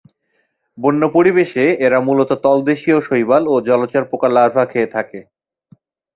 বন্য পরিবেশে এরা মূলত তলদেশীয় শৈবাল এবং জলচর পোকার লার্ভা খেয়ে থাকে।